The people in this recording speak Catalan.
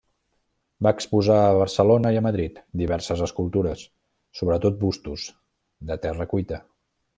Va exposar a Barcelona i a Madrid diverses escultures, sobretot bustos, de terra cuita.